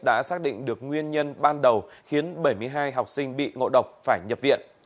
đã xác định được nguyên nhân ban đầu khiến bảy mươi hai học sinh bị ngộ độc phải nhập viện